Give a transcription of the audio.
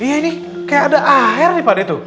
iya ini kayak ada air nih pak d tuh